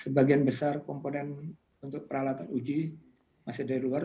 sebagian besar komponen untuk peralatan uji masih dari luar